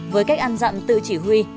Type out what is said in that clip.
với cách ăn dặm tự chỉ huy